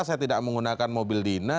saya tidak menggunakan mobil dina